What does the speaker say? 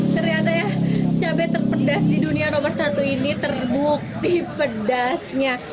ternyata ya cabai terpedas di dunia nomor satu ini terbukti pedasnya